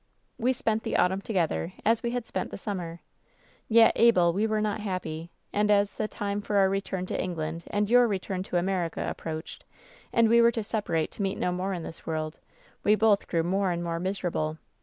"We spent the autumn together, as we had spent the summer ; yet, Abel, we were not happy, and as the time for our return to England and your return to America approached, and we were to separate to meet no more in this world, we both grew more and more miserable.